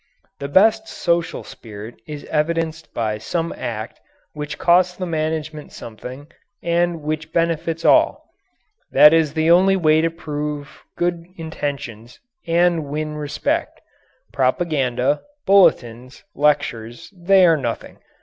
The best social spirit is evidenced by some act which costs the management something and which benefits all. That is the only way to prove good intentions and win respect. Propaganda, bulletins, lectures they are nothing.